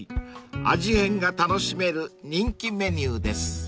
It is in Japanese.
［味変が楽しめる人気メニューです］